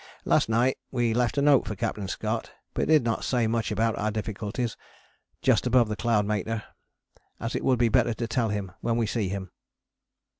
Last night we left a note for Capt. Scott, but did not say much about our difficulties just above the Cloudmaker, as it would be better to tell him when we see him.